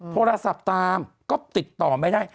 โทรศัพท์ตามก็ติดต่อไม่ได้